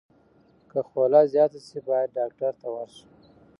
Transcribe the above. که خوله زیاته شي، باید ډاکټر ته ورشو.